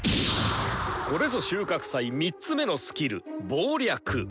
これぞ収穫祭３つ目のスキル。